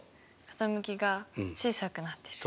傾きが小さくなってる。